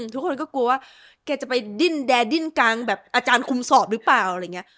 ทุกคนก็กลัวว่าแกจะไปดิ้นแดดิ้นกลางแบบอาจารย์คุมสอบหรือเปล่าอะไรอย่างนี้